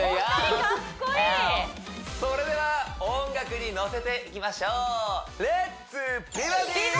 それでは音楽に乗せていきましょう「美バディ」「レッツ！